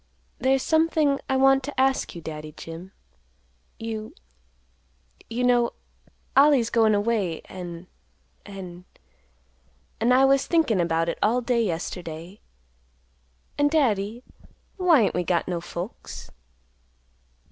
"There's something I want to ask you, Daddy Jim. You—you know—Ollie's goin' away, an'—an'—an' I was thinkin' about it all day yesterday, an', Daddy, why ain't we got no folks?"